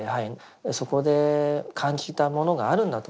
そこで感じたものがあるんだと思うんです。